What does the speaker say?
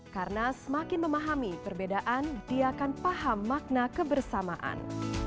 karena semakin memahami perbedaan dia akan paham makna kebersamaan